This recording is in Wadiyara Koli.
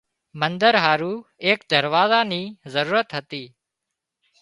منۮر هارُو ايڪ دروازا نِي ضرورت هتي